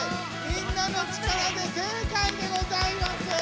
みんなのキズナで正解でございます。